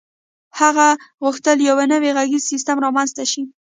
هغه غوښتل یو نوی غږیز سیسټم رامنځته شي